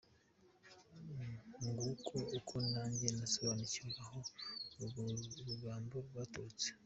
Nguko uko nanjye nasobanukiwe aho urwo rugambo rwaturutse.